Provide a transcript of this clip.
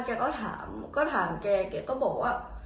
แกก็ถามแกก็บอกว่า